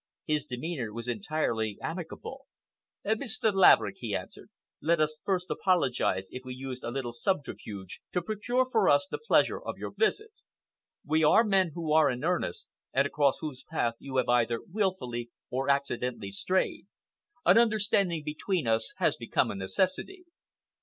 His demeanor was entirely amicable. "Mr. Laverick," he answered, "let us first apologize if we used a little subterfuge to procure for us the pleasure of your visit. We are men who are in earnest, and across whose path you have either wilfully or accidentally strayed. An understanding between us has become a necessity."